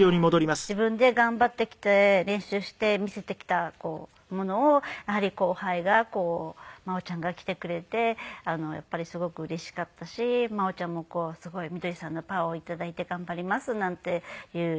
自分で頑張ってきて練習して見せてきたものを後輩が真央ちゃんが着てくれてやっぱりすごくうれしかったし真央ちゃんも「みどりさんのパワーを頂いて頑張ります」なんていう。